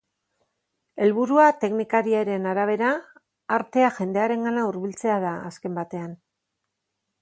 Helburua, teknikariaren arabera, artea jendearengana hurbiltzea da azken batean.